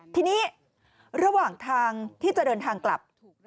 ทีนี้ระหว่างทางที่จะเดินทางกลับ